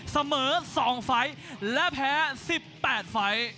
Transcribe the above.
เสมอ๒ไฟล์และแพ้๑๘ไฟล์